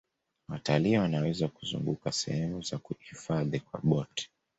watalii Wanaweza kuzunguka sehemu za hifadhi kwa boti